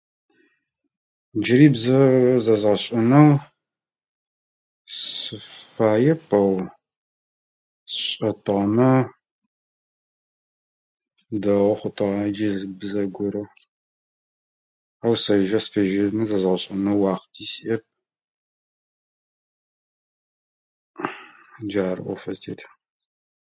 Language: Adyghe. Джыри бзэ зэзгъэшӏэнэу сыфаеп ау, сшӏэтыгъэмэ дэгъу хут а инджылызыбзэ горэ ар седжэ [unintelligible] зэзгъэшӏэнэу уахъти сиӏэп. Джары ӏофэ зытет.